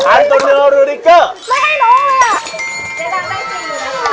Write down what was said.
เจดังได้จริงอยู่นะครับ